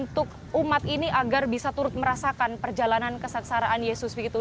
tapi juga turut memberikan cara untuk umat ini agar bisa turut merasakan perjalanan kesengsaraan yesus begitu